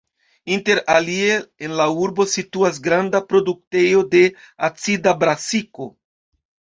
Inter alie en la urbo situas granda produktejo de acida brasiko.